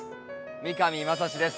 三上真史です。